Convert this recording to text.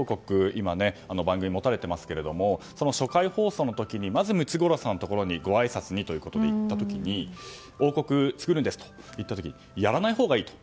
今、番組持たれていますがその初回放送の時にまずムツゴロウさんのところにごあいさつにということで行った時に王国、作るんですと言った時にやらないほうがいいと。